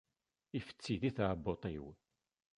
Ifetti di tɛebbuḍt-iw.